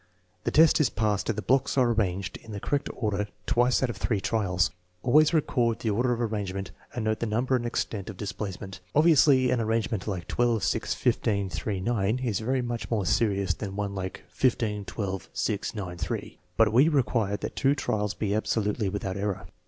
The test is passed if the blocks are arranged in the correct order twice out of three trials. Always record the order of arrangement and note the number and extent of displacement. Obviously an arrangement like 12 6 15 3 9 is very much more serious than one like 15 12 6 9 3, but we require that two trials be absolutely without error.